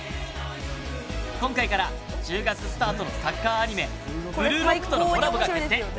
今回から、１０月スタートのサッカーアニメ「ブルーロック」とのコラボが決定！